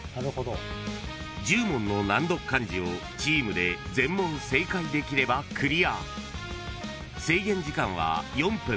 ［１０問の難読漢字をチームで全問正解できればクリア］